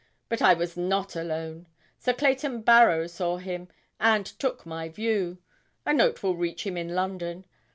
But I was not alone; Sir Clayton Barrow saw him, and took my view; a note will reach him in London.